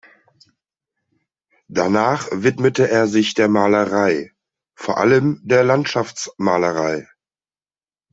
Danach widmete er sich der Malerei, vor allem der Landschaftsmalerei.